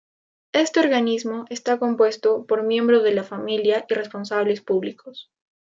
Este organismo está compuesto por miembros de la familia y responsables públicos.